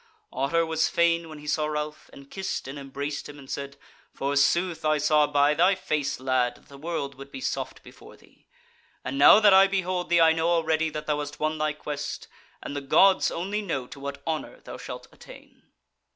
Otter was fain when he saw Ralph, and kissed and embraced him, and said: "Forsooth, I saw by thy face, lad, that the world would be soft before thee; and now that I behold thee I know already that thou hast won thy quest; and the Gods only know to what honour thou shalt attain."